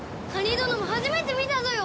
どのも初めて見たぞよ！